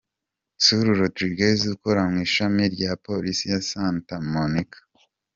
Saul Rodriguez ukora mu Ishami rya Polisi ya Santa Monica.